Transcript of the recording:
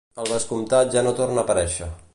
El vescomtat ja no torna a aparèixer.